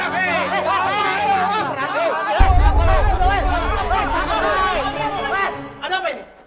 ada apa ini